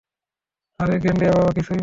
আরে গেন্ডয়া বাবা কিছুই না।